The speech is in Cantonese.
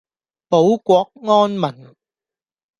保國安民